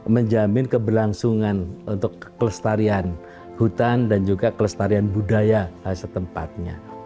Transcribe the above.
menjamin keberlangsungan untuk kelestarian hutan dan juga kelestarian budaya setempatnya